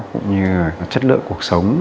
cũng như chất lượng cuộc sống